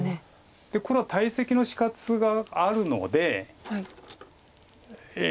黒は大石の死活があるので。